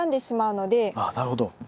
ああなるほど。